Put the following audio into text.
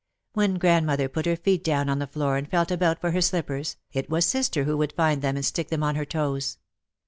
When grandmother put her feet down on the floor and felt about for her slippers, it was sister who would find them and stick them on her toes.